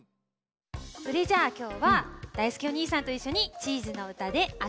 それじゃあきょうはだいすけお兄さんといっしょにチーズの歌であそびましょう。